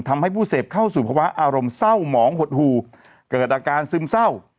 ทำให้ผู้เสพเข้าสู่ภาวะอารมณ์เศร้าหมองหดหู่เกิดอาการซึมเศร้า